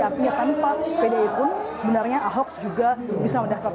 artinya tanpa pdi pun sebenarnya ahok juga bisa mendapatkan